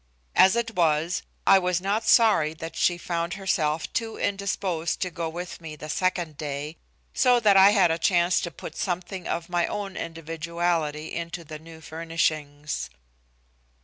As it was, I was not sorry that she found herself too indisposed to go with me the second day, so that I had a chance to put something of my own individuality into the new furnishings.